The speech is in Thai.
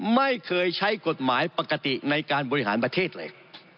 ไม่เคยใช้กฎหมายปกติในการบริหารประเทศเลย